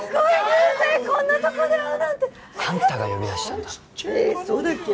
偶然こんなとこで会うなんてあんたが呼び出したんだろえそうだっけ？